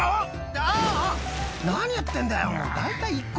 あぁ！何やってんだよ。